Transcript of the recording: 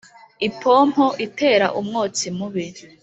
Ipompo itera umwotsi mubi